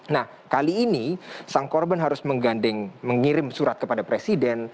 nah kali ini sang korban harus menggandeng mengirim surat kepada presiden